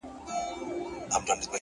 پرمختګ د جرئت غوښتنه کوي.!